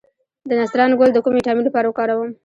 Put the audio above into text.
د نسترن ګل د کوم ویټامین لپاره وکاروم؟